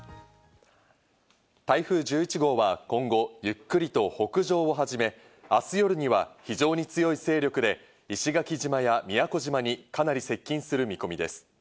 台風１１号は今後ゆっくりと北上を始め、明日夜には非常に強い勢力で石垣島や宮古島にかなり接近する見込みです。